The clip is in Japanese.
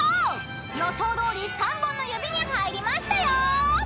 ［予想どおり三本の指に入りましたよ！］